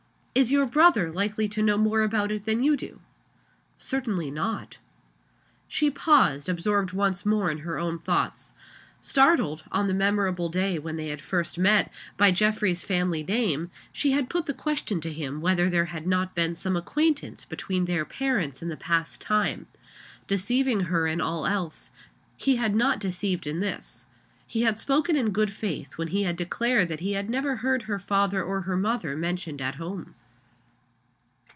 "Is your brother likely to know more about it than you do?" "Certainly not." She paused, absorbed once more in her own thoughts. Startled, on the memorable day when they had first met, by Geoffrey's family name, she had put the question to him whether there had not been some acquaintance between their parents in the past time. Deceiving her in all else, he had not deceived in this. He had spoken in good faith, when he had declared that he had never heard her father or her mother mentioned at home.